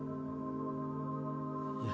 いや。